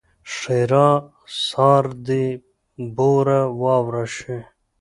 ښېرا؛ سار دې بوره وراره شي!